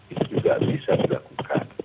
itu juga bisa dilakukan